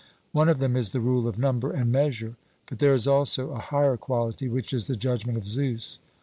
One of them is the rule of number and measure; but there is also a higher equality, which is the judgment of Zeus.